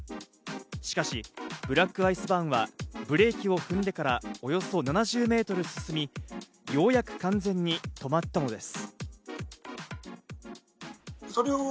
しかしブラックアイスバーンはブレーキを踏んでから、およそ７０メートル進み、ようやく完全に止まったのです。